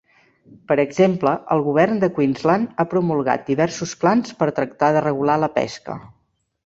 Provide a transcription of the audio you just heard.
Per exemple, el govern de Queensland ha promulgat diversos plans per tractar de regular la pesca.